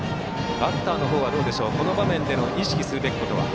バッターの方はどうでしょうこの場面で意識すべきことは。